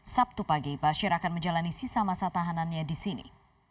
sabtu pagi bashir akan menjalani sisa masa tahanannya di sini